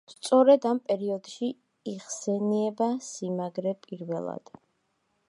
სწორედ ამ პერიოდში იხსენიება სიმაგრე პირველად.